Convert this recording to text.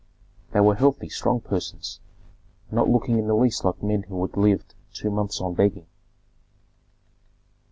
They were healthy, strong persons, not looking in the least like men who had lived two months on begging.